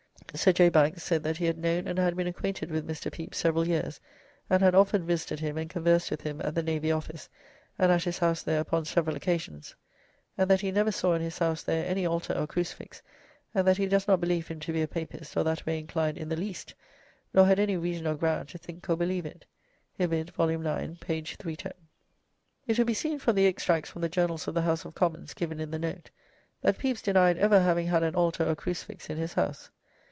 Sir J. Banks said that he had known and had been acquainted with Mr. Pepys several years, and had often visited him and conversed with him at the Navy Office, and at his house there upon several occasions, and that he never saw in his house there any Altar or Crucifix, and that he does not believe him to be a Papist, or that way inclined in the least, nor had any reason or ground to think or believe it." Ibid., vol, ix., p. 310.] It will be seen from the extracts from the Journals of the House of Commons given in the note that Pepys denied ever having had an altar or crucifix in his house.